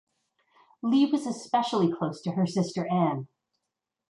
Lee was especially close to her sister Anne.